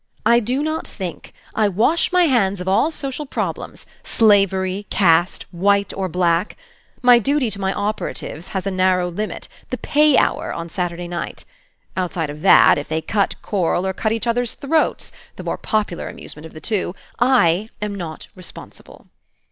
"I do not think. I wash my hands of all social problems, slavery, caste, white or black. My duty to my operatives has a narrow limit, the pay hour on Saturday night. Outside of that, if they cut korl, or cut each other's throats, (the more popular amusement of the two,) I am not responsible."